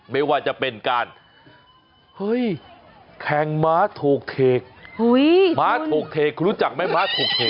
ไม่ว่าจะเป็นการเฮ้ยแข่งม้าโถกเทกม้าถูกเทกคุณรู้จักไหมม้าถูกเทก